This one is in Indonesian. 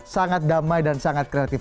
sangat damai dan sangat kreatif